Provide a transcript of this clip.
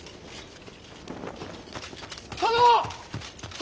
殿！